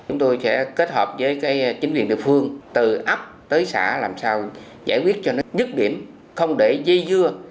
chúng tôi sẽ kết hợp với chính quyền địa phương từ ấp tới xã làm sao giải quyết cho nó dứt điểm không để dây dưa